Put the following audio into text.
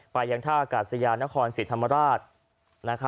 ไปยังท่าอากาศยานนครศรีธรรมราช